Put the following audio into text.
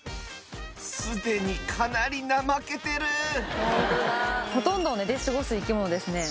すでにかなりなまけてるほとんど寝て過ごす生き物ですね。